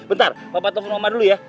bentar papa telepon mama dulu ya